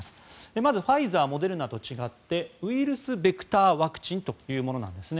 まずファイザー、モデルナと違ってウイルスベクターワクチンというものなんですね。